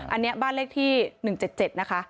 อันนี้บ้านเลขที่๑๗๗นะคะ